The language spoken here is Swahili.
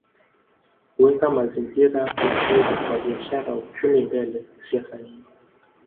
Kuweka mazingira mazuri kwa biashara uchumi mbele siasa nyuma